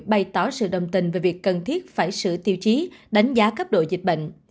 bày tỏ sự đồng tình về việc cần thiết phải sửa tiêu chí đánh giá cấp độ dịch bệnh